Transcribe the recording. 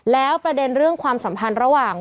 แล้วประเด็นเรื่องความสัมพันธ์ระหว่าง